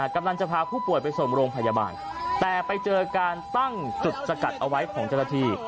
กำลังจะพาผู้ป่วยไปส่งโรงพยาบาลแต่ไปเจอการตั้งจุดสกัดเอาไว้ของเจ้าหน้าที่